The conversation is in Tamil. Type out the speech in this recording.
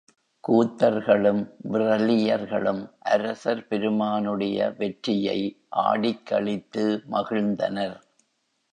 கூத்தர்களும், விறலியர்களும் அரசர் பெருமானுடைய வெற்றியை ஆடிக்களித்து மகிழ்ந்தனர்.